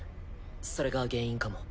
それが原因かも。